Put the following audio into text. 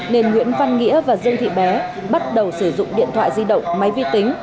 nên nguyễn văn nghĩa và dương thị bé bắt đầu sử dụng điện thoại di động máy vi tính